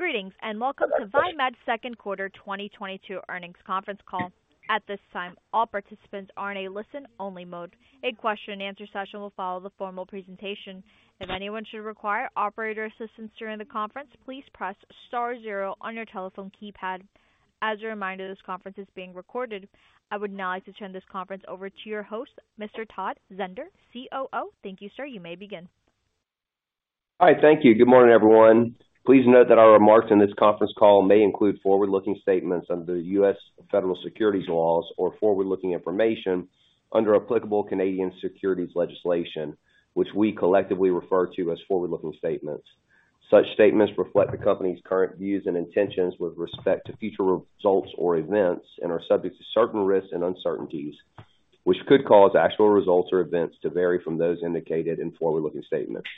Greetings, and welcome to Viemed's second quarter 2022 earnings conference call. At this time, all participants are in a listen-only mode. A question and answer session will follow the formal presentation. If anyone should require operator assistance during the conference, please press star zero on your telephone keypad. As a reminder, this conference is being recorded. I would now like to turn this conference over to your host, Mr. Todd Zehnder, COO. Thank you, sir. You may begin. All right, thank you. Good morning, everyone. Please note that our remarks in this conference call may include forward-looking statements under the U.S. Federal Securities laws or forward-looking information under applicable Canadian securities legislation, which we collectively refer to as forward-looking statements. Such statements reflect the company's current views and intentions with respect to future results or events and are subject to certain risks and uncertainties, which could cause actual results or events to vary from those indicated in forward-looking statements.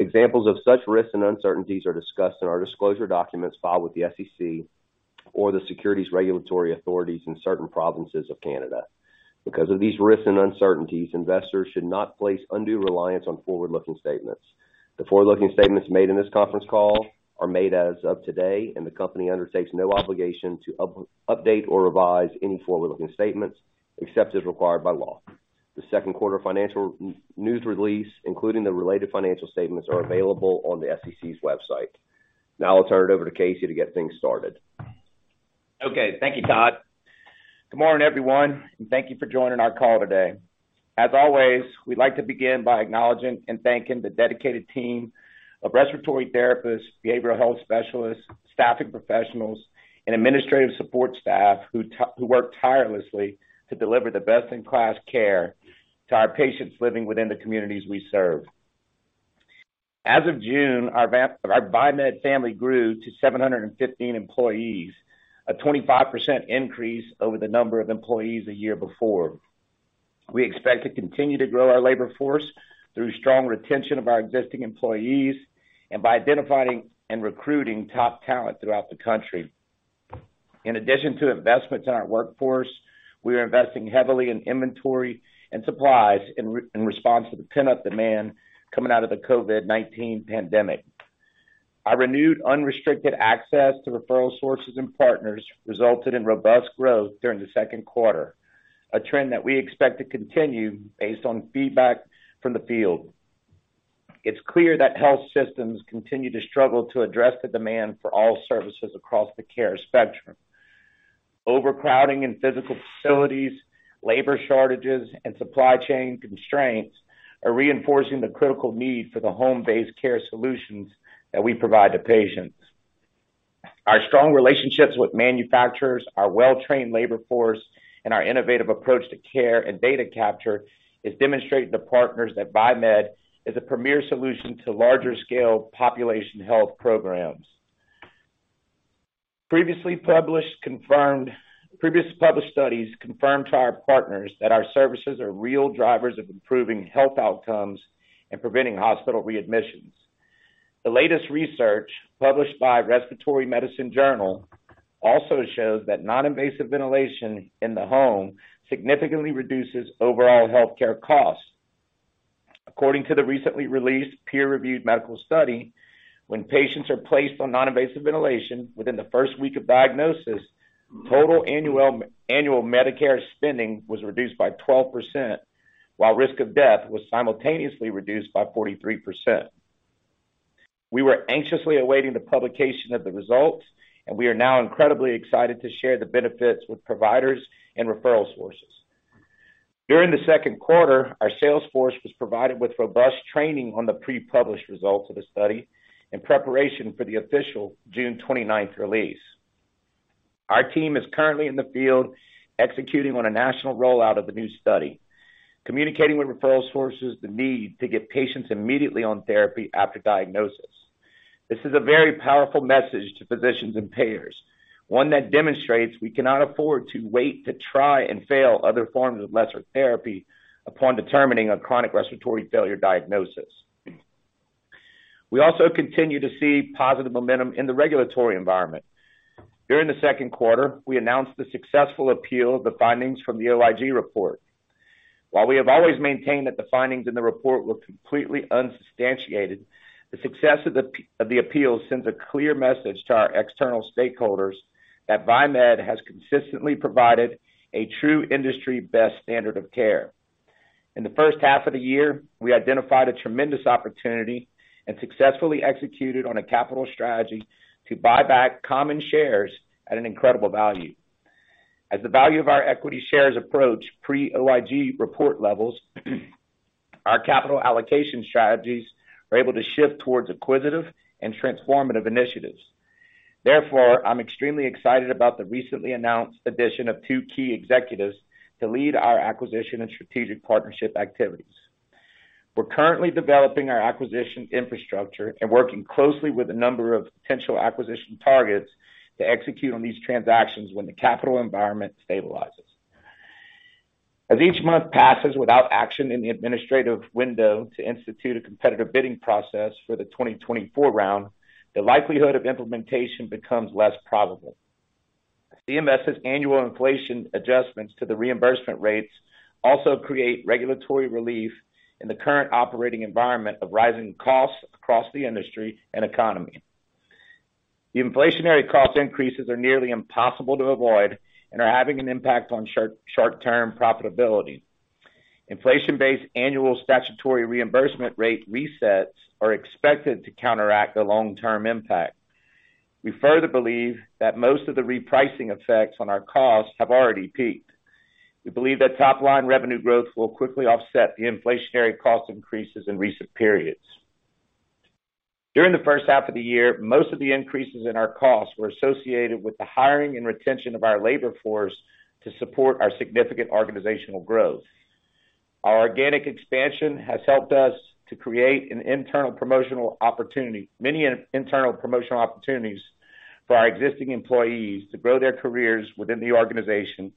Examples of such risks and uncertainties are discussed in our disclosure documents filed with the SEC or the securities regulatory authorities in certain provinces of Canada. Because of these risks and uncertainties, investors should not place undue reliance on forward-looking statements. The forward-looking statements made in this conference call are made as of today, and the company undertakes no obligation to update or revise any forward-looking statements except as required by law. The second quarter financial news release, including the related financial statements, are available on the SEC's website. Now I'll turn it over to Casey to get things started. Okay. Thank you, Todd. Good morning, everyone, and thank you for joining our call today. As always, we'd like to begin by acknowledging and thanking the dedicated team of respiratory therapists, behavioral health specialists, staffing professionals, and administrative support staff who work tirelessly to deliver the best-in-class care to our patients living within the communities we serve. As of June, our Viemed family grew to 715 employees, a 25% increase over the number of employees a year before. We expect to continue to grow our labor force through strong retention of our existing employees and by identifying and recruiting top talent throughout the country. In addition to investments in our workforce, we are investing heavily in inventory and supplies in response to the pent-up demand coming out of the COVID-19 pandemic. Our renewed unrestricted access to referral sources and partners resulted in robust growth during the second quarter, a trend that we expect to continue based on feedback from the field. It's clear that health systems continue to struggle to address the demand for all services across the care spectrum. Overcrowding in physical facilities, labor shortages, and supply chain constraints are reinforcing the critical need for the home-based care solutions that we provide to patients. Our strong relationships with manufacturers, our well-trained labor force, and our innovative approach to care and data capture is demonstrating to partners that Viemed is a premier solution to larger scale population health programs. Previously published studies confirmed to our partners that our services are real drivers of improving health outcomes and preventing hospital readmissions. The latest research, published by The Open Respiratory Medicine Journal, also shows that non-invasive ventilation in the home significantly reduces overall healthcare costs. According to the recently released peer-reviewed medical study, when patients are placed on non-invasive ventilation within the first week of diagnosis, total annual Medicare spending was reduced by 12%, while risk of death was simultaneously reduced by 43%. We were anxiously awaiting the publication of the results, and we are now incredibly excited to share the benefits with providers and referral sources. During the second quarter, our sales force was provided with robust training on the pre-published results of the study in preparation for the official June 29th release. Our team is currently in the field executing on a national rollout of the new study, communicating with referral sources the need to get patients immediately on therapy after diagnosis. This is a very powerful message to physicians and payers, one that demonstrates we cannot afford to wait to try and fail other forms of lesser therapy upon determining a chronic respiratory failure diagnosis. We also continue to see positive momentum in the regulatory environment. During the second quarter, we announced the successful appeal of the findings from the OIG report. While we have always maintained that the findings in the report were completely unsubstantiated, the success of the appeal sends a clear message to our external stakeholders that Viemed has consistently provided a true industry best standard of care. In the first half of the year, we identified a tremendous opportunity and successfully executed on a capital strategy to buy back common shares at an incredible value. As the value of our equity shares approach pre-OIG report levels, our capital allocation strategies were able to shift towards acquisitive and transformative initiatives. Therefore, I'm extremely excited about the recently announced addition of two key executives to lead our acquisition and strategic partnership activities. We're currently developing our acquisition infrastructure and working closely with a number of potential acquisition targets to execute on these transactions when the capital environment stabilizes. As each month passes without action in the administrative window to institute a competitive bidding process for the 2024 round, the likelihood of implementation becomes less probable. CMS' annual inflation adjustments to the reimbursement rates also create regulatory relief in the current operating environment of rising costs across the industry and economy. The inflationary cost increases are nearly impossible to avoid and are having an impact on short-term profitability. Inflation-based annual statutory reimbursement rate resets are expected to counteract the long-term impact. We further believe that most of the repricing effects on our costs have already peaked. We believe that top line revenue growth will quickly offset the inflationary cost increases in recent periods. During the first half of the year, most of the increases in our costs were associated with the hiring and retention of our labor force to support our significant organizational growth. Our organic expansion has helped us to create many internal promotional opportunities for our existing employees to grow their careers within the organization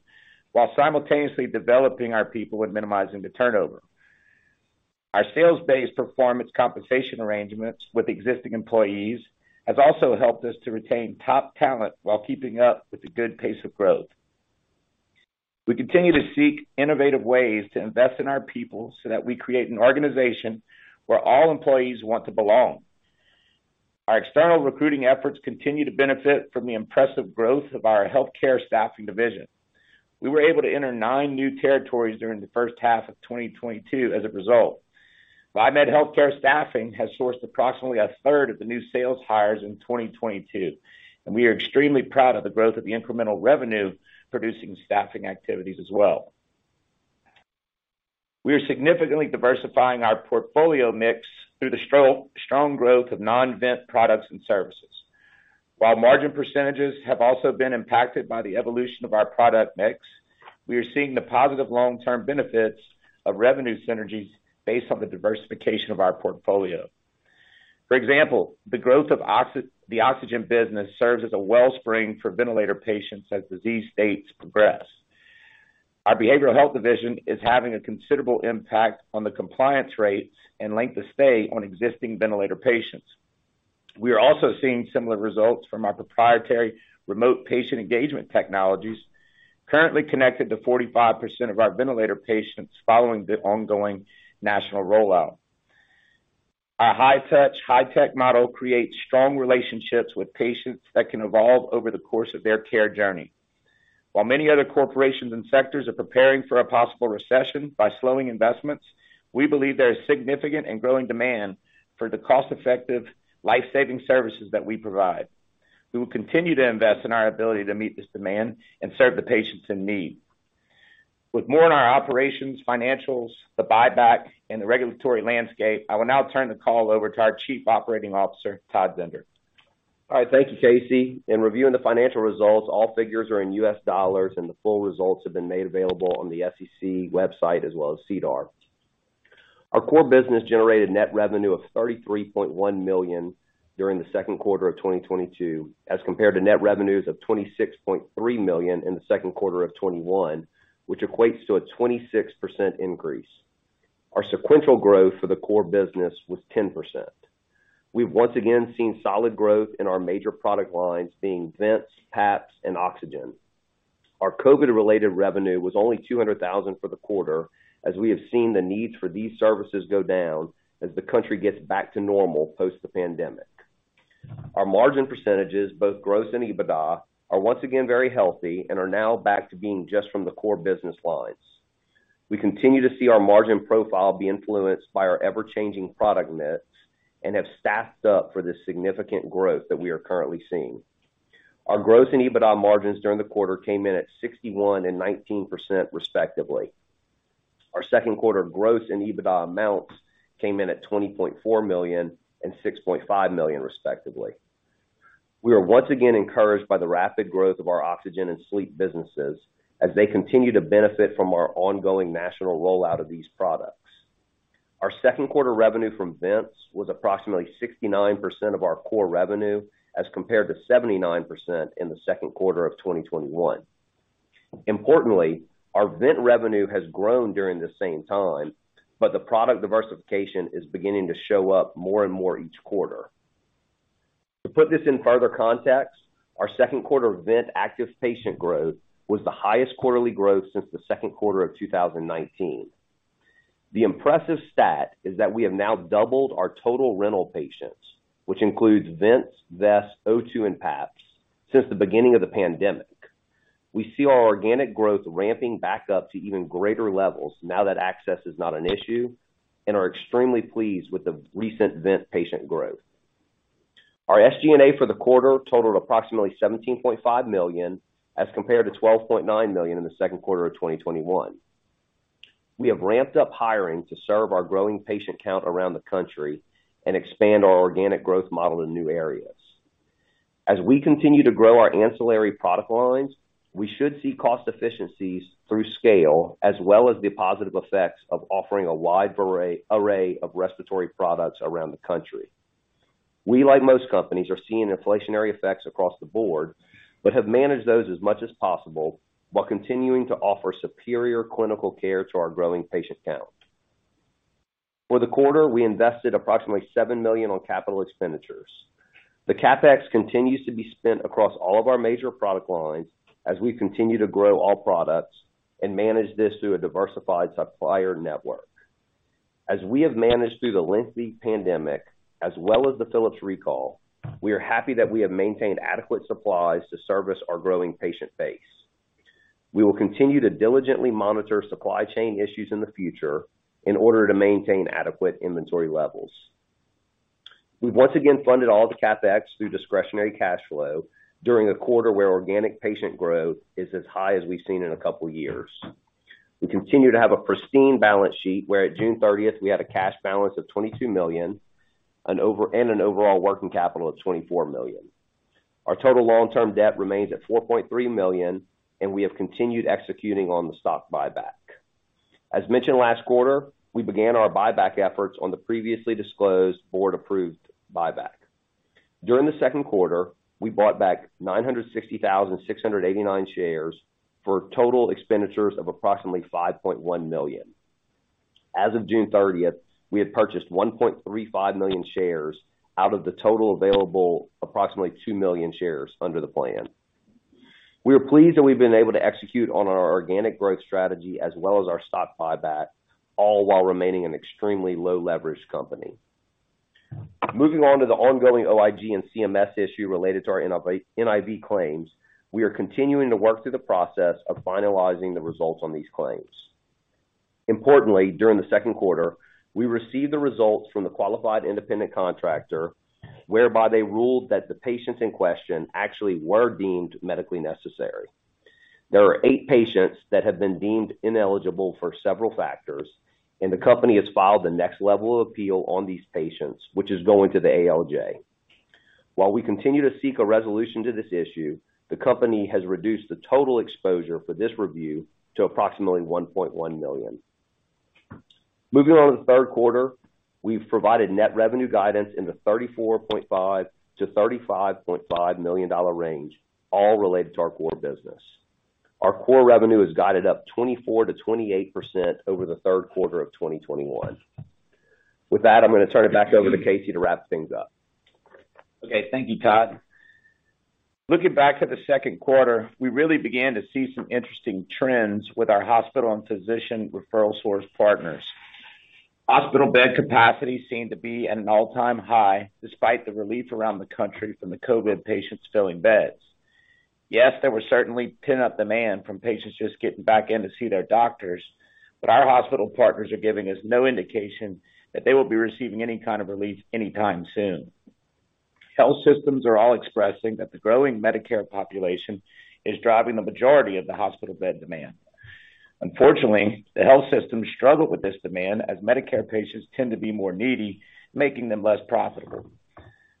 while simultaneously developing our people and minimizing the turnover. Our sales-based performance compensation arrangements with existing employees has also helped us to retain top talent while keeping up with the good pace of growth. We continue to seek innovative ways to invest in our people so that we create an organization where all employees want to belong. Our external recruiting efforts continue to benefit from the impressive growth of our healthcare staffing division. We were able to enter nine new territories during the first half of 2022 as a result. Viemed Healthcare Staffing has sourced approximately a third of the new sales hires in 2022, and we are extremely proud of the growth of the incremental revenue producing staffing activities as well. We are significantly diversifying our portfolio mix through the strong growth of non-vent products and services. While margin percentages have also been impacted by the evolution of our product mix, we are seeing the positive long-term benefits of revenue synergies based on the diversification of our portfolio. For example, the growth of the oxygen business serves as a wellspring for ventilator patients as disease states progress. Our behavioral health division is having a considerable impact on the compliance rates and length of stay on existing ventilator patients. We are also seeing similar results from our proprietary remote patient engagement technologies, currently connected to 45% of our ventilator patients following the ongoing national rollout. Our high touch, high tech model creates strong relationships with patients that can evolve over the course of their care journey. While many other corporations and sectors are preparing for a possible recession by slowing investments, we believe there is significant and growing demand for the cost-effective life-saving services that we provide. We will continue to invest in our ability to meet this demand and serve the patients in need. With more on our operations, financials, the buyback and the regulatory landscape, I will now turn the call over to our Chief Operating Officer, Todd Zehnder. All right. Thank you, Casey. In reviewing the financial results, all figures are in US dollars, and the full results have been made available on the SEC website as well as SEDAR. Our core business generated net revenue of $33.1 million during the second quarter of 2022, as compared to net revenues of $26.3 million in the second quarter of 2021, which equates to a 26% increase. Our sequential growth for the core business was 10%. We've once again seen solid growth in our major product lines being vents, PAPs, and oxygen. Our COVID-related revenue was only $200,000 for the quarter, as we have seen the needs for these services go down as the country gets back to normal post the pandemic. Our margin percentages, both gross and EBITDA, are once again very healthy and are now back to being just from the core business lines. We continue to see our margin profile be influenced by our ever-changing product mix and have staffed up for the significant growth that we are currently seeing. Our gross and EBITDA margins during the quarter came in at 61% and 19%, respectively. Our second quarter gross and EBITDA amounts came in at $20.4 million and $6.5 million, respectively. We are once again encouraged by the rapid growth of our oxygen and sleep businesses as they continue to benefit from our ongoing national rollout of these products. Our second quarter revenue from vents was approximately 69% of our core revenue, as compared to 79% in the second quarter of 2021. Importantly, our vent revenue has grown during the same time, but the product diversification is beginning to show up more and more each quarter. To put this in further context, our second quarter vent active patient growth was the highest quarterly growth since the second quarter of 2019. The impressive stat is that we have now doubled our total rental patients, which includes vents, vests, O2 and PAPs, since the beginning of the pandemic. We see our organic growth ramping back up to even greater levels now that access is not an issue, and are extremely pleased with the recent vent patient growth. Our SG&A for the quarter totaled approximately $17.5 million, as compared to $12.9 million in the second quarter of 2021. We have ramped up hiring to serve our growing patient count around the country and expand our organic growth model in new areas. As we continue to grow our ancillary product lines, we should see cost efficiencies through scale as well as the positive effects of offering a wide array of respiratory products around the country. We, like most companies, are seeing inflationary effects across the board, but have managed those as much as possible while continuing to offer superior clinical care to our growing patient count. For the quarter, we invested approximately $7 million on capital expenditures. The CapEx continues to be spent across all of our major product lines as we continue to grow all products and manage this through a diversified supplier network. As we have managed through the lengthy pandemic as well as the Philips recall, we are happy that we have maintained adequate supplies to service our growing patient base. We will continue to diligently monitor supply chain issues in the future in order to maintain adequate inventory levels. We've once again funded all the CapEx through discretionary cash flow during a quarter where organic patient growth is as high as we've seen in a couple years. We continue to have a pristine balance sheet, where at June 30, we had a cash balance of $22 million and an overall working capital of $24 million. Our total long-term debt remains at $4.3 million, and we have continued executing on the stock buyback. As mentioned last quarter, we began our buyback efforts on the previously disclosed board-approved buyback. During the second quarter, we bought back 960,689 shares for total expenditures of approximately $5.1 million. As of June 30, we had purchased 1.35 million shares out of the total available approximately 2 million shares under the plan. We are pleased that we've been able to execute on our organic growth strategy as well as our stock buyback, all while remaining an extremely low-leveraged company. Moving on to the ongoing OIG and CMS issue related to our non-invasive NIV claims, we are continuing to work through the process of finalizing the results on these claims. Importantly, during the second quarter, we received the results from the Qualified Independent Contractor, whereby they ruled that the patients in question actually were deemed medically necessary. There are eight patients that have been deemed ineligible for several factors, and the company has filed the next level of appeal on these patients, which is going to the ALJ. While we continue to seek a resolution to this issue, the company has reduced the total exposure for this review to approximately $1.1 million. Moving on to the third quarter. We've provided net revenue guidance in the $34.5 to 35.5 million range, all related to our core business. Our core revenue is guided up 24% to 28% over the third quarter of 2021. With that, I'm gonna turn it back over to Casey to wrap things up. Okay. Thank you, Todd. Looking back to the second quarter, we really began to see some interesting trends with our hospital and physician referral source partners. Hospital bed capacity seemed to be at an all-time high despite the relief around the country from the COVID patients filling beds. Yes, there was certainly pent-up demand from patients just getting back in to see their doctors, but our hospital partners are giving us no indication that they will be receiving any kind of relief anytime soon. Health systems are all expressing that the growing Medicare population is driving the majority of the hospital bed demand. Unfortunately, the health systems struggle with this demand as Medicare patients tend to be more needy, making them less profitable.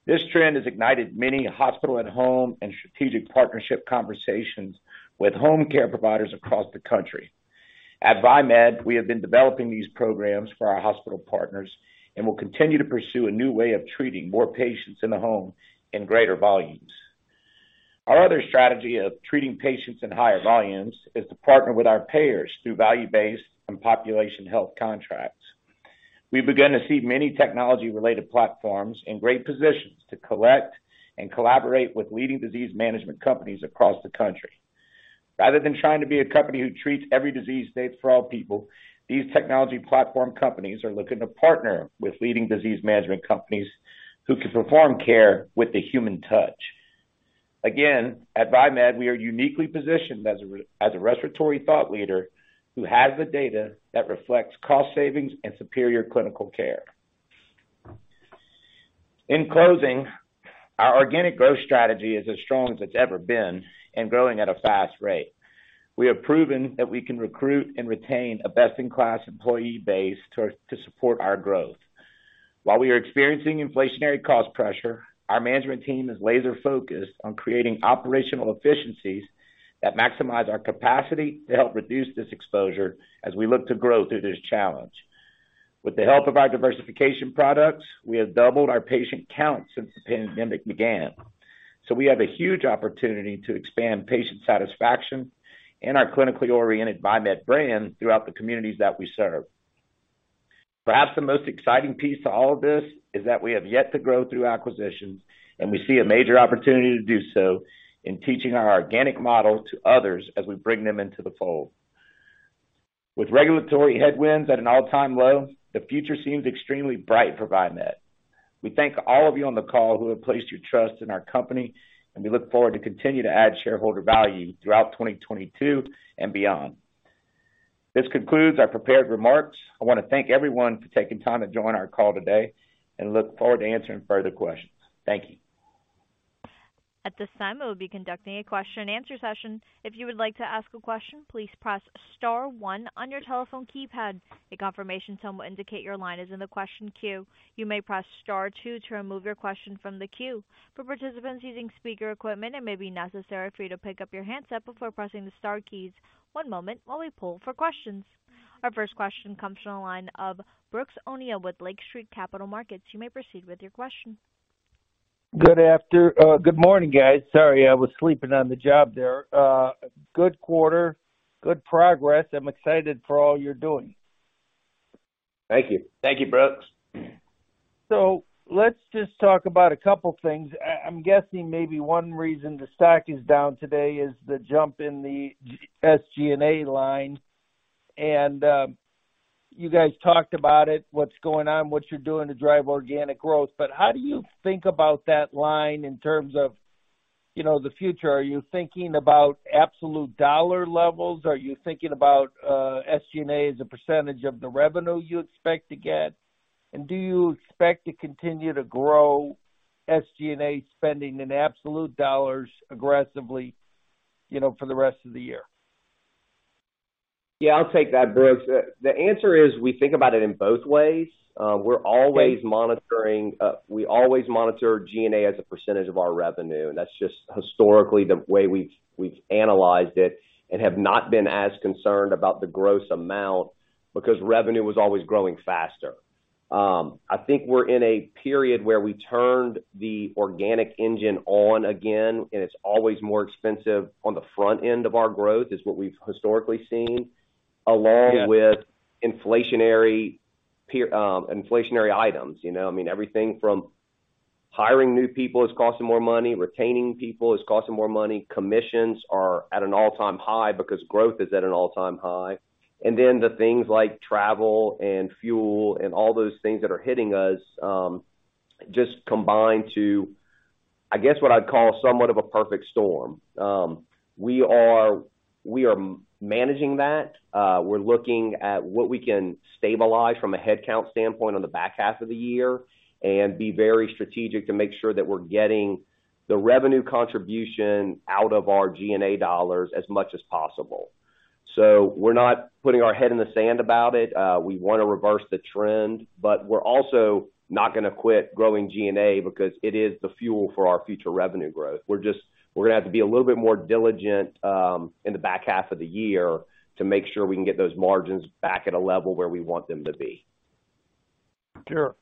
This trend has ignited many hospital at home and strategic partnership conversations with home care providers across the country. At Viemed, we have been developing these programs for our hospital partners and will continue to pursue a new way of treating more patients in the home in greater volumes. Our other strategy of treating patients in higher volumes is to partner with our payers through value-based and population health contracts. We begin to see many technology-related platforms in great positions to collect and collaborate with leading disease management companies across the country. Rather than trying to be a company who treats every disease they throw at people, these technology platform companies are looking to partner with leading disease management companies who can perform care with a human touch. Again, at Viemed, we are uniquely positioned as a respiratory thought leader who has the data that reflects cost savings and superior clinical care. In closing, our organic growth strategy is as strong as it's ever been and growing at a fast rate. We have proven that we can recruit and retain a best-in-class employee base to support our growth. While we are experiencing inflationary cost pressure, our management team is laser-focused on creating operational efficiencies that maximize our capacity to help reduce this exposure as we look to grow through this challenge. With the help of our diversification products, we have doubled our patient count since the pandemic began. We have a huge opportunity to expand patient satisfaction and our clinically oriented Viemed brand throughout the communities that we serve. Perhaps the most exciting piece to all of this is that we have yet to grow through acquisitions, and we see a major opportunity to do so in teaching our organic model to others as we bring them into the fold. With regulatory headwinds at an all-time low, the future seems extremely bright for Viemed. We thank all of you on the call who have placed your trust in our company, and we look forward to continue to add shareholder value throughout 2022 and beyond. This concludes our prepared remarks. I wanna thank everyone for taking time to join our call today and look forward to answering further questions. Thank you. At this time, we'll be conducting a question and answer session. If you would like to ask a question, please press star one on your telephone keypad. A confirmation tone will indicate your line is in the question queue. You may press star two to remove your question from the queue. For participants using speaker equipment, it may be necessary for you to pick up your handset before pressing the star keys. One moment while we poll for questions. Our first question comes from the line of Brooks O'Neil with Lake Street Capital Markets. You may proceed with your question. Good morning, guys. Sorry, I was sleeping on the job there. Good quarter, good progress. I'm excited for all you're doing. Thank you. Thank you, Brooks. Let's just talk about a couple things. I'm guessing maybe one reason the stock is down today is the jump in the SG&A line. You guys talked about it, what's going on, what you're doing to drive organic growth. How do you think about that line in terms of, you know, the future? Are you thinking about absolute dollar levels? Are you thinking about SG&A as a percentage of the revenue you expect to get? Do you expect to continue to grow SG&A spending in absolute dollars aggressively, you know, for the rest of the year? Yeah, I'll take that, Brooks. The answer is we think about it in both ways. We're always- Okay. We always monitor G&A as a percentage of our revenue, and that's just historically the way we've analyzed it and have not been as concerned about the gross amount because revenue was always growing faster. I think we're in a period where we turned the organic engine on again, and it's always more expensive on the front end of our growth, is what we've historically seen. Yeah. Along with inflationary items. You know, I mean, everything from hiring new people is costing more money, retaining people is costing more money, commissions are at an all-time high because growth is at an all-time high. The things like travel and fuel and all those things that are hitting us just combine to, I guess, what I'd call somewhat of a perfect storm. We are managing that. We're looking at what we can stabilize from a headcount standpoint on the back half of the year and be very strategic to make sure that we're getting the revenue contribution out of our G&A dollars as much as possible. We're not putting our head in the sand about it. We wanna reverse the trend, but we're also not gonna quit growing G&A because it is the fuel for our future revenue growth. We're gonna have to be a little bit more diligent in the back half of the year to make sure we can get those margins back at a level where we want them to be. Sure.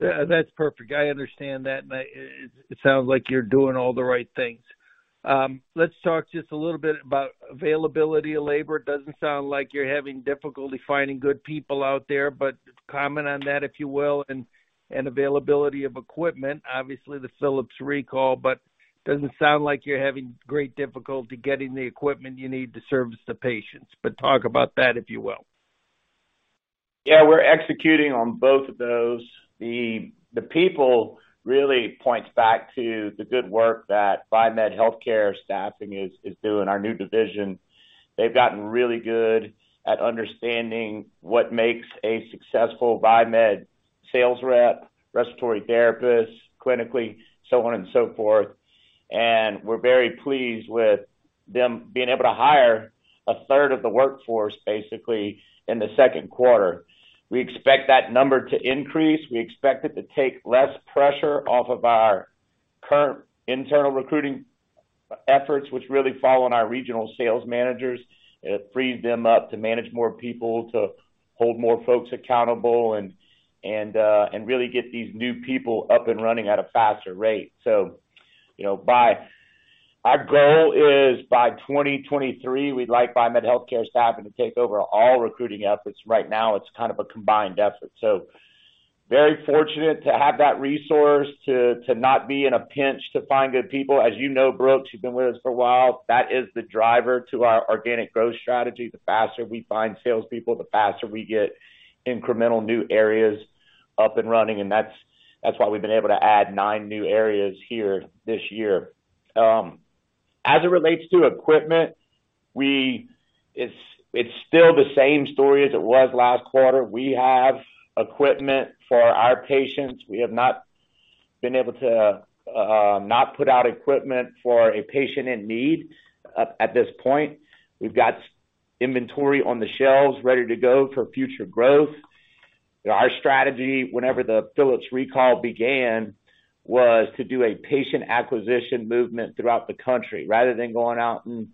Yeah, that's perfect. I understand that. It sounds like you're doing all the right things. Let's talk just a little bit about availability of labor. It doesn't sound like you're having difficulty finding good people out there, but comment on that, if you will, and availability of equipment. Obviously, the Philips recall. It doesn't sound like you're having great difficulty getting the equipment you need to service the patients. Talk about that, if you will. Yeah, we're executing on both of those. The people really points back to the good work that Viemed Healthcare Staffing is doing, our new division. They've gotten really good at understanding what makes a successful Viemed sales rep, respiratory therapist, clinically, so on and so forth. We're very pleased with them being able to hire a third of the workforce, basically, in the second quarter. We expect that number to increase. We expect it to take less pressure off of our current internal recruiting efforts, which really fall on our regional sales managers. It frees them up to manage more people, to hold more folks accountable and really get these new people up and running at a faster rate. You know, by 2023. Our goal is by 2023, we'd like Viemed Healthcare Staffing to take over all recruiting efforts. Right now, it's kind of a combined effort. Very fortunate to have that resource to not be in a pinch to find good people. As you know, Brooks, you've been with us for a while, that is the driver to our organic growth strategy. The faster we find salespeople, the faster we get incremental new areas up and running, and that's why we've been able to add nine new areas here this year. As it relates to equipment, it's still the same story as it was last quarter. We have equipment for our patients. We have not been able to not put out equipment for a patient in need at this point. We've got inventory on the shelves ready to go for future growth. Our strategy, whenever the Philips recall began, was to do a patient acquisition movement throughout the country. Rather than going out and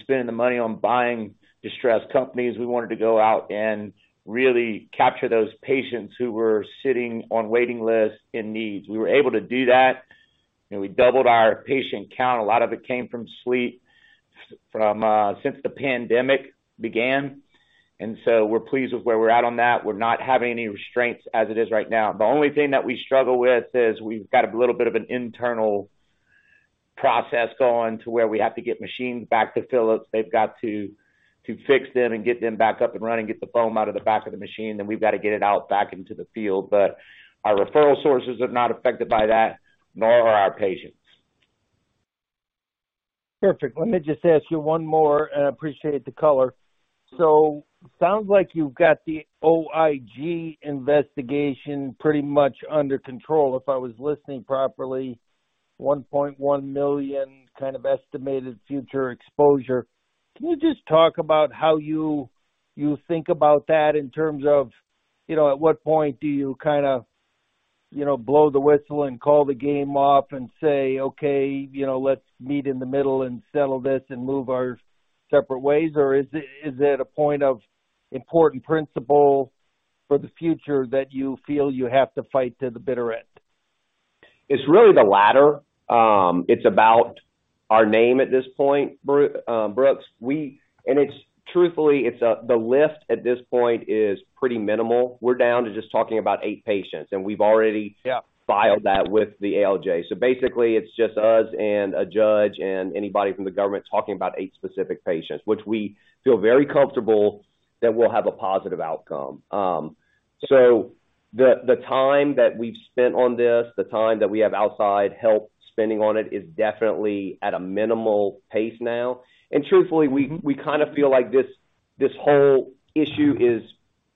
spending the money on buying distressed companies, we wanted to go out and really capture those patients who were sitting on waiting lists in need. We were able to do that, and we doubled our patient count. A lot of it came from sleep since the pandemic began. We're pleased with where we're at on that. We're not having any restraints as it is right now. The only thing that we struggle with is we've got a little bit of an internal process going to where we have to get machines back to Philips. They've got to to fix them and get them back up and running, get the foam out of the back of the machine, then we've got to get it out back into the field. Our referral sources are not affected by that, nor are our patients. Perfect. Let me just ask you one more. I appreciate the color. Sounds like you've got the OIG investigation pretty much under control, if I was listening properly. $1.1 million kind of estimated future exposure. Can you just talk about how you think about that in terms of, you know, at what point do you kind of, you know, blow the whistle and call the game off and say, "Okay, you know, let's meet in the middle and settle this and move our separate ways?" Or is it at a point of important principle for the future that you feel you have to fight to the bitter end? It's really the latter. It's about our man at this point, Brooks. It's truthfully, the list at this point is pretty minimal. We're down to just talking about eight patients, and we've already- Yeah. filed that with the ALJ. Basically, it's just us and a judge and anybody from the government talking about eight specific patients, which we feel very comfortable that we'll have a positive outcome. The time that we've spent on this, the time that we have outside help spending on it, is definitely at a minimal pace now. Truthfully- Mm-hmm. We kinda feel like this whole issue is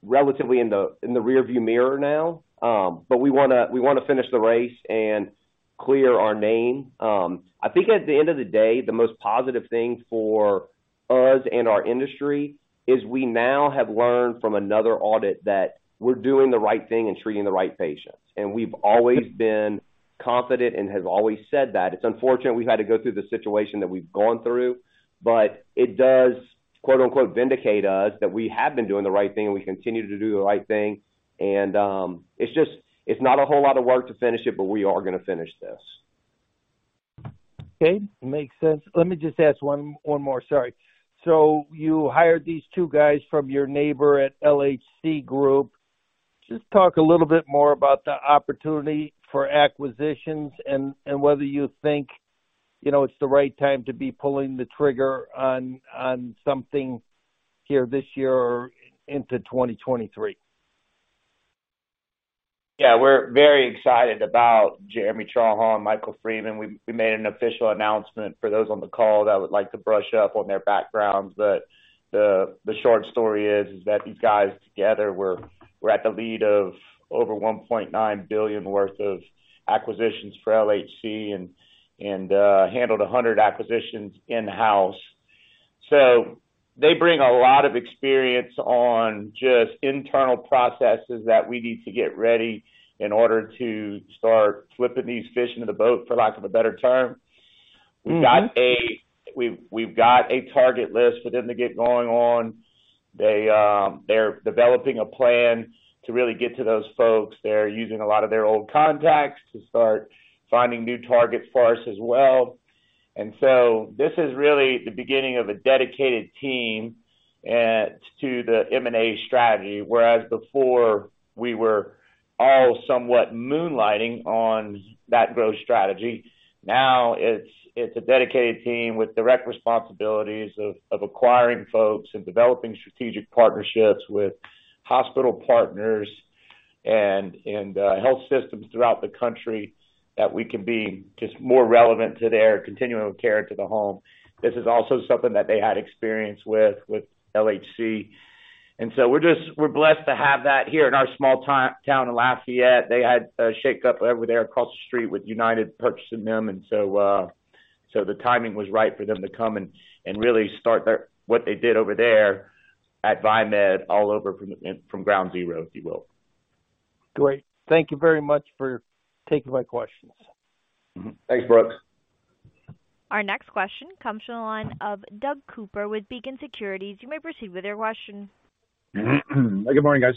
relatively in the rear view mirror now. We wanna finish the race and clear our name. I think at the end of the day, the most positive thing for us and our industry is we now have learned from another audit that we're doing the right thing and treating the right patients. We've always been confident and have always said that. It's unfortunate we've had to go through the situation that we've gone through, but it does quote-unquote "vindicate us" that we have been doing the right thing, and we continue to do the right thing. It's just not a whole lot of work to finish it, but we are gonna finish this. Okay. Makes sense. Let me just ask one more. Sorry. You hired these two guys from your neighbor at LHC Group. Just talk a little bit more about the opportunity for acquisitions and whether you think, you know, it's the right time to be pulling the trigger on something here this year or into 2023. Yeah. We're very excited about Jeremy Trahan and Michael Freeman. We made an official announcement for those on the call that would like to brush up on their backgrounds. The short story is that these guys together were at the lead of over $1.9 billion worth of acquisitions for LHC and handled 100 acquisitions in-house. They bring a lot of experience on just internal processes that we need to get ready in order to start flipping these fish into the boat, for lack of a better term. Mm-hmm. We've got a target list for them to get going on. They're developing a plan to really get to those folks. They're using a lot of their old contacts to start finding new targets for us as well. This is really the beginning of a dedicated team to the M&A strategy. Whereas before we were all somewhat moonlighting on that growth strategy. Now it's a dedicated team with direct responsibilities of acquiring folks and developing strategic partnerships with hospital partners and health systems throughout the country that we can be just more relevant to their continuum of care to the home. This is also something that they had experience with LHC. We're blessed to have that here in our small-town, Lafayette. They had a shakeup over there across the street with United purchasing them. The timing was right for them to come and really start their, what they did over there at Viemed all over from ground zero, if you will. Great. Thank you very much for taking my questions. Mm-hmm. Thanks, Brooks. Our next question comes from the line of Doug Cooper with Beacon Securities. You may proceed with your question. Good morning, guys.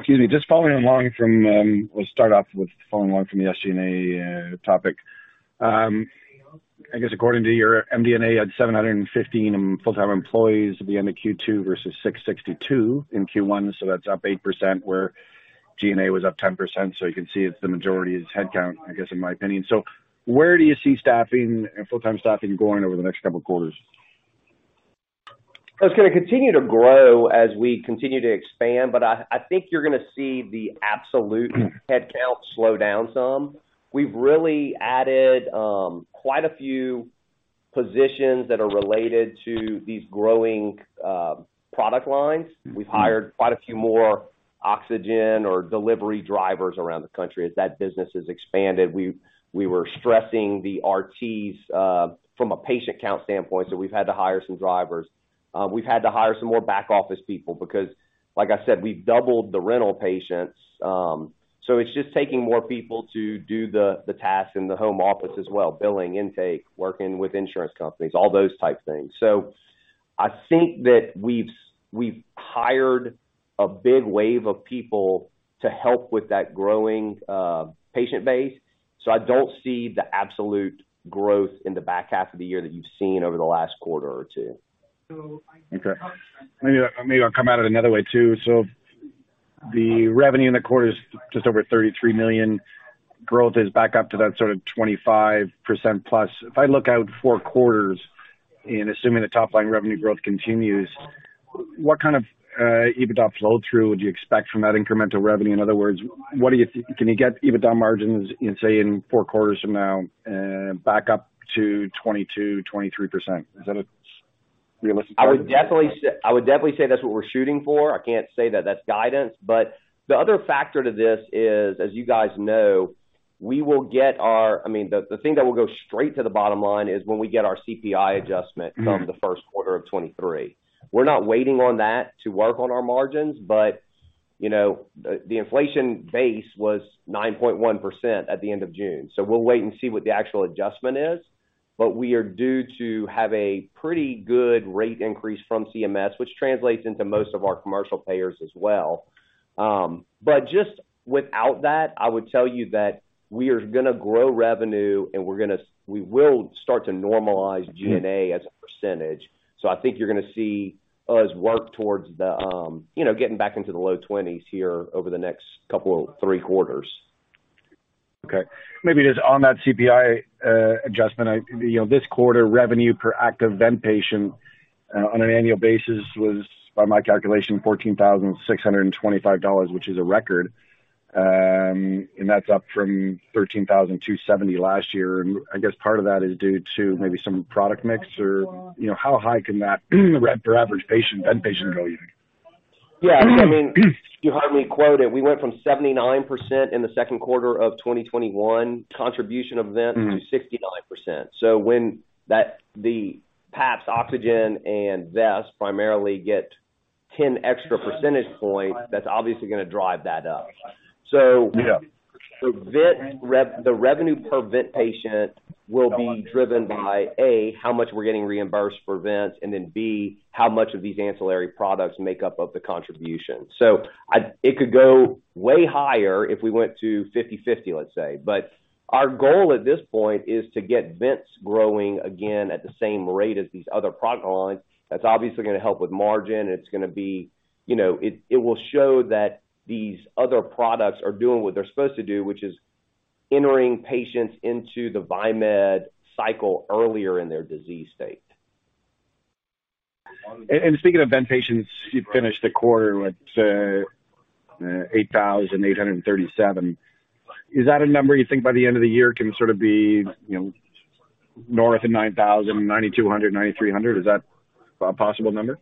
Excuse me. Just following along from the SG&A topic. I guess according to your MD&A you had 715 full-time employees at the end of Q2 versus 662 in Q1, so that's up 8%, where G&A was up 10%. You can see it's the majority is headcount, I guess, in my opinion. Where do you see staffing and full-time staffing going over the next couple quarters? It's gonna continue to grow as we continue to expand, but I think you're gonna see the absolute headcount slow down some. We've really added quite a few positions that are related to these growing product lines. Mm-hmm. We've hired quite a few more oxygen or delivery drivers around the country as that business has expanded. We were stressing the RTs from a patient count standpoint, so we've had to hire some drivers. We've had to hire some more back office people because, like I said, we've doubled the rental patients. It's just taking more people to do the tasks in the home office as well, billing, intake, working with insurance companies, all those type things. I think that we've hired a big wave of people to help with that growing patient base. I don't see the absolute growth in the back half of the year that you've seen over the last quarter or two. Okay. Maybe I'll come at it another way too. The revenue in the quarter is just over $33 million. Growth is back up to that sort of 25%+. If I look out four quarters and assuming the top line revenue growth continues, what kind of EBITDA flow through would you expect from that incremental revenue? In other words, can you get EBITDA margins in, say, in four quarters from now and back up to 22%-23%? Is that a realistic? I would definitely say that's what we're shooting for. I can't say that that's guidance. The other factor to this is, as you guys know, we will get our, I mean, the thing that will go straight to the bottom line is when we get our CPI adjustment. Mm-hmm. The first quarter of 2023. We're not waiting on that to work on our margins. You know, the inflation base was 9.1% at the end of June, so we'll wait and see what the actual adjustment is. We are due to have a pretty good rate increase from CMS, which translates into most of our commercial payers as well. Just without that, I would tell you that we are gonna grow revenue, and we will start to normalize G&A as a percentage. I think you're gonna see us work towards getting back into the low 20s here over the next couple or three quarters. Okay. Maybe just on that CPI adjustment, you know, this quarter revenue per active vent patient on an annual basis was, by my calculation, $14,625, which is a record. That's up from $13,270 last year. I guess part of that is due to maybe some product mix or, you know, how high can that rev per average patient, vent patient go even? Yeah. I mean, you heard me quote it. We went from 79% in the second quarter of 2021 contribution of vents to 69%. When the PAPs, oxygen, and vests primarily get 10 extra percentage points, that's obviously gonna drive that up. Yeah. The revenue per vent patient will be driven by, A, how much we're getting reimbursed for vents, and then, B, how much of these ancillary products make up of the contribution. It could go way higher if we went to 50/50, let's say. Our goal at this point is to get vents growing again at the same rate as these other product lines. That's obviously gonna help with margin. It's gonna be. You know, it will show that these other products are doing what they're supposed to do, which is entering patients into the Viemed cycle earlier in their disease state. Speaking of vent patients, you finished the quarter with 8,837. Is that a number you think by the end of the year can sort of be, you know, north of 9,000, 9,200, 9,300? Is that a possible number?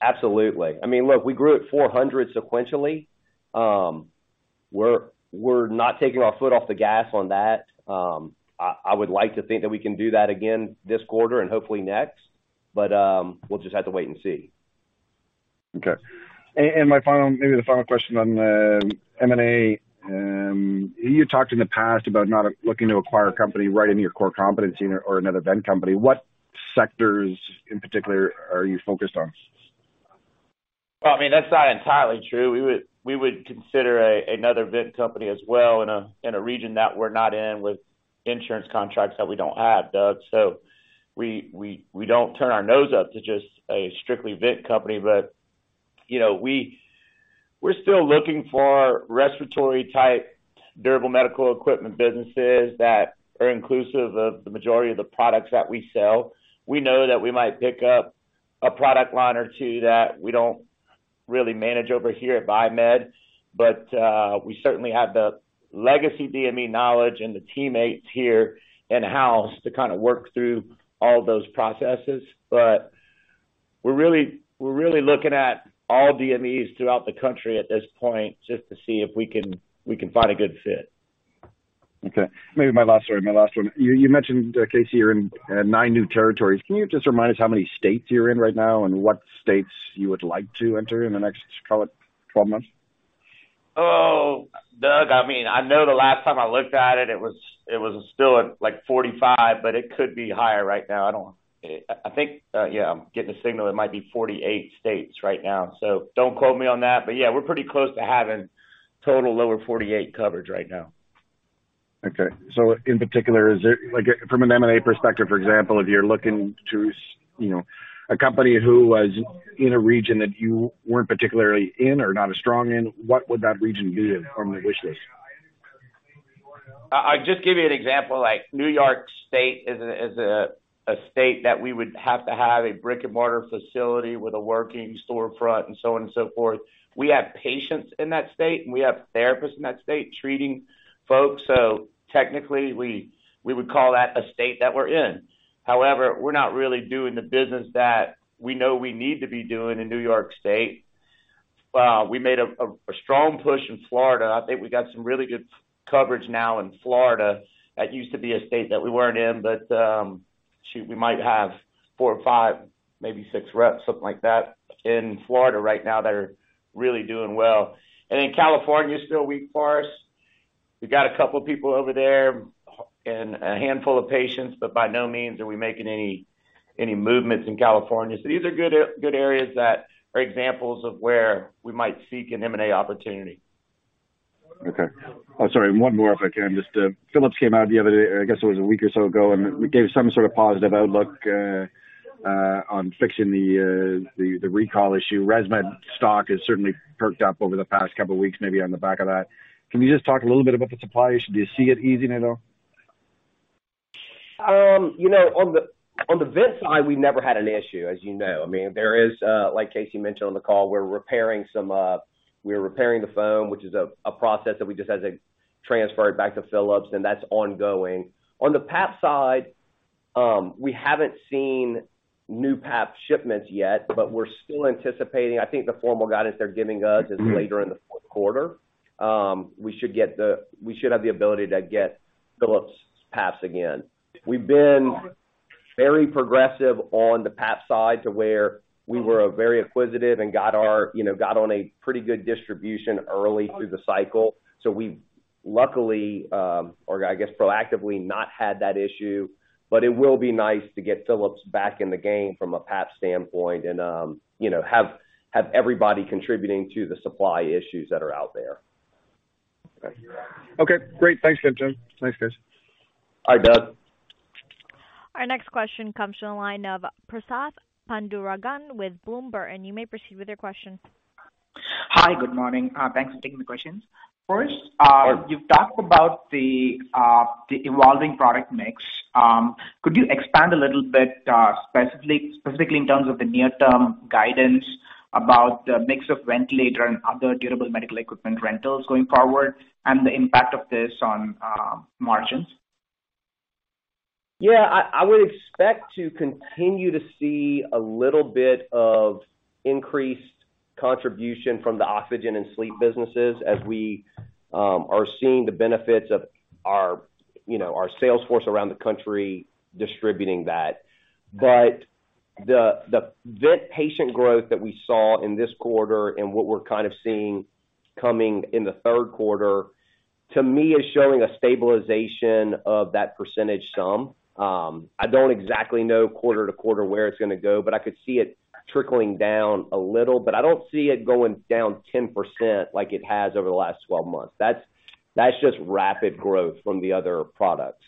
Absolutely. I mean, look, we grew at 400 sequentially. We're not taking our foot off the gas on that. I would like to think that we can do that again this quarter and hopefully next. We'll just have to wait and see. Okay. My final question on M&A. You talked in the past about not looking to acquire a company right in your core competency or another vent company. What sectors in particular are you focused on? Well, I mean, that's not entirely true. We would consider another vent company as well in a region that we're not in with insurance contracts that we don't have, Doug. We don't turn our nose up to just a strictly vent company. You know, we're still looking for respiratory type durable medical equipment businesses that are inclusive of the majority of the products that we sell. We know that we might pick up a product line or two that we don't really manage over here at Viemed, but we certainly have the legacy DME knowledge and the teammates here in-house to kind of work through all those processes. We're really looking at all DMEs throughout the country at this point just to see if we can find a good fit. Okay. Maybe my last, sorry, my last one. You mentioned, Casey, you're in nine new territories. Can you just remind us how many states you're in right now and what states you would like to enter in the next, call it, 12 months? Oh, Doug, I mean, I know the last time I looked at it was still at, like, 45, but it could be higher right now. I think, yeah, I'm getting a signal it might be 48 states right now. Don't quote me on that. Yeah, we're pretty close to having total lower 48 coverage right now. Okay. In particular, is there, like, from an M&A perspective, for example, if you're looking to, you know, a company who was in a region that you weren't particularly in or not as strong in, what would that region be on the wish list? I'll just give you an example, like New York State is a state that we would have to have a brick-and-mortar facility with a working storefront and so on and so forth. We have patients in that state, and we have therapists in that state treating folks, so technically we would call that a state that we're in. However, we're not really doing the business that we know we need to be doing in New York State. We made a strong push in Florida. I think we got some really good coverage now in Florida. That used to be a state that we weren't in, but shoot, we might have four or five, maybe six reps, something like that in Florida right now that are really doing well. California is still weak for us. We got a couple people over there and a handful of patients, but by no means are we making any movements in California. These are good areas that are examples of where we might seek an M&A opportunity. Okay. Oh, sorry, one more if I can. Just, Philips came out the other day, or I guess it was a week or so ago, and gave some sort of positive outlook on fixing the recall issue. ResMed's stock has certainly perked up over the past couple of weeks, maybe on the back of that. Can you just talk a little bit about the supply issue? Do you see it easing at all? You know, on the vent side, we've never had an issue, as you know. I mean, there is, like Casey mentioned on the call, we're repairing the foam, which is a process that we just had to transfer back to Philips, and that's ongoing. On the PAP side, we haven't seen new PAP shipments yet, but we're still anticipating. I think the formal guidance they're giving us is later in the fourth quarter. We should have the ability to get Philips PAPs again. We've been Very progressive on the PAP side to where we were very acquisitive and you know got on a pretty good distribution early through the cycle. We luckily or I guess proactively not had that issue, but it will be nice to get Philips back in the game from a PAP standpoint and you know have everybody contributing to the supply issues that are out there. Okay, great. Thanks, Todd. Thanks, guys. All right, Doug. Our next question comes from the line of Prasath Pandurangan with Bloomberg. You may proceed with your question. Hi. Good morning. Thanks for taking the questions. First- Sure. You've talked about the evolving product mix. Could you expand a little bit, specifically in terms of the near-term guidance about the mix of ventilator and other durable medical equipment rentals going forward and the impact of this on margins? Yeah. I would expect to continue to see a little bit of increased contribution from the oxygen and sleep businesses as we are seeing the benefits of our, you know, our sales force around the country distributing that. The vent patient growth that we saw in this quarter and what we're kind of seeing coming in the third quarter, to me is showing a stabilization of that percentage sum. I don't exactly know quarter to quarter where it's gonna go, but I could see it trickling down a little, but I don't see it going down 10% like it has over the last 12 months. That's just rapid growth from the other products.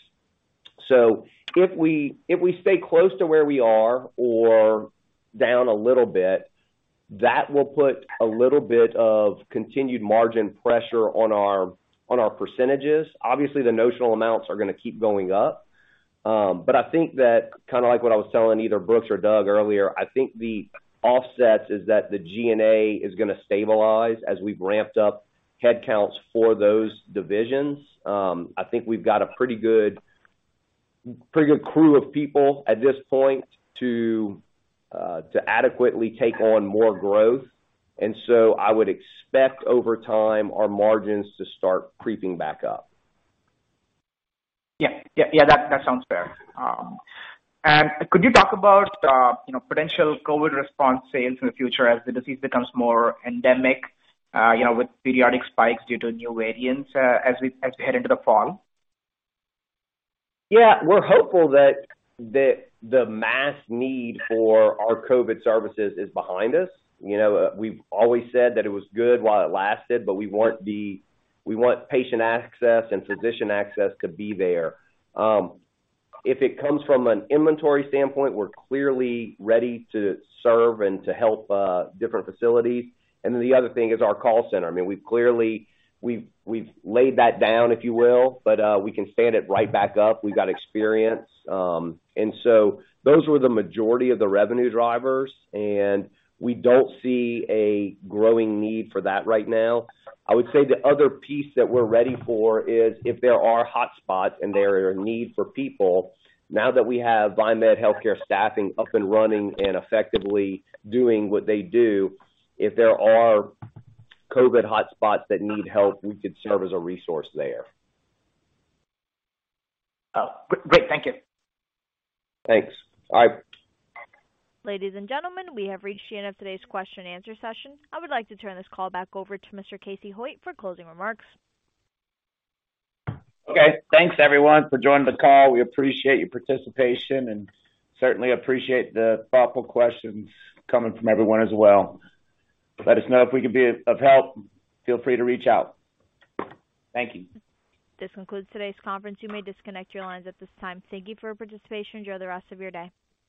If we stay close to where we are or down a little bit, that will put a little bit of continued margin pressure on our percentages. Obviously, the notional amounts are gonna keep going up. I think that kinda like what I was telling either Brooks or Doug earlier, I think the offsets is that the G&A is gonna stabilize as we've ramped up headcounts for those divisions. I think we've got a pretty good crew of people at this point to adequately take on more growth. I would expect over time our margins to start creeping back up. Yeah, that sounds fair. Could you talk about, you know, potential COVID response sales in the future as the disease becomes more endemic, you know, with periodic spikes due to new variants, as we head into the fall? Yeah. We're hopeful that the mass need for our COVID services is behind us. You know, we've always said that it was good while it lasted. We want patient access and physician access to be there. If it comes from an inventory standpoint, we're clearly ready to serve and to help different facilities. Then the other thing is our call center. I mean, we've clearly laid that down, if you will, but we can stand it right back up. We've got experience. Those were the majority of the revenue drivers, and we don't see a growing need for that right now. I would say the other piece that we're ready for is if there are hotspots and there are need for people, now that we have Viemed Healthcare Staffing up and running and effectively doing what they do, if there are COVID hotspots that need help, we could serve as a resource there. Oh, great. Thank you. Thanks. All right. Ladies and gentlemen, we have reached the end of today's question and answer session. I would like to turn this call back over to Mr. Casey Hoyt for closing remarks. Okay. Thanks everyone for joining the call. We appreciate your participation and certainly appreciate the thoughtful questions coming from everyone as well. Let us know if we could be of help, feel free to reach out. Thank you. This concludes today's conference. You may disconnect your lines at this time. Thank you for your participation. Enjoy the rest of your day.